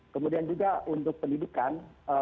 kemudian juga untuk pendidikan